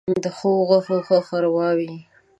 ـ د ښو غوښو ښه ښوروا وي.